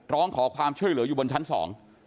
ร้องขอความช่วยเหลืออยู่บนชั้นสอง